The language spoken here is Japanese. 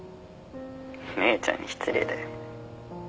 姉ちゃんに失礼だよ。